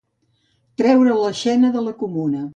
Treure la xena de la comuna.